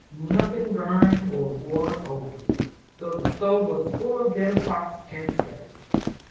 Nothing burned or boiled over, though the stove was full of dinner pots and skillets.